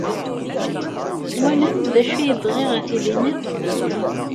Twalam d acu i bɣiɣ ad t-id-iniɣ?